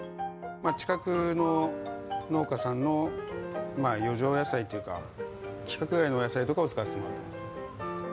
近くの農家さんの余剰野菜というか、規格外のお野菜とかを使わせてもらっています。